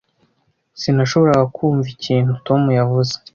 Sinashoboraga kumva ikintu Tom yavuze.